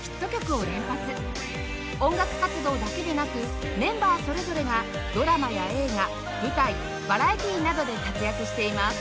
音楽活動だけでなくメンバーそれぞれがドラマや映画舞台バラエティーなどで活躍しています